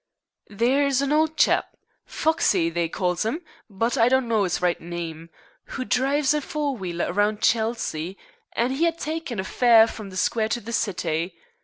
"There's an old chap Foxey they calls 'im, but I don't know 'is right nyme who drives a four wheeler around Chelsea, an' 'e 'ad tyken a fare from the Square to the City.